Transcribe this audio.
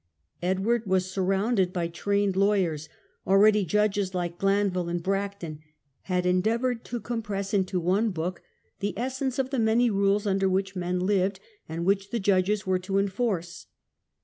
Edward was surrounded by trained lawyers. Already judges like Glanville and Bracton had endeavoured to The great compress into one book the essence of the i*wyer8. many rules under which men lived, and which the judges were to enforce.